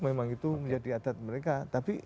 memang itu menjadi adat mereka tapi